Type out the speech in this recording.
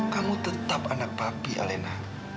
kamu tetap anak papi alena